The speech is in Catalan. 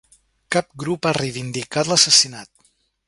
Cap grup a reivindicat l'assassinat.